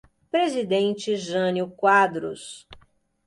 Presidente Jânio Quadros